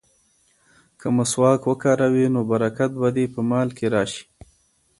که مسواک وکاروې نو برکت به دې په مال کې راشي.